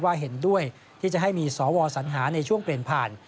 เห็นด้วยที่จะให้มีสวสัญหาในช่วงเปลี่ยนผ่าน